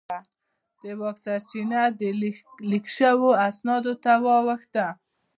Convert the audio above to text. د واک سرچینه د لیک شوو اسنادو ته واوښته.